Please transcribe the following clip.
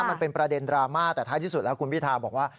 มันเป็นประเด็นดราม่าแต่ท้ายที่สุดแล้วคุณพิทาบอกว่า